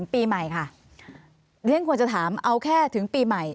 ปีใหม่ค่ะเรียนควรจะถามเอาแค่ถึงปีใหม่